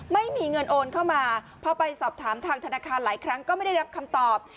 ไม่มีเงินโอนเข้ามาพอไปสอบถามทางธนาคารหลายครั้งก็ไม่ได้รับคำตอบ